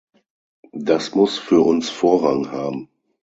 Das muss für uns Vorrang haben.